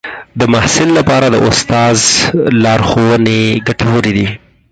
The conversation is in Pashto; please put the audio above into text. د محصل لپاره د استاد لارښوونې ګټورې دي.